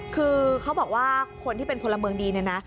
คือเขาบอกว่าคนที่เป็นพลเมืองดีเนี่ยนะ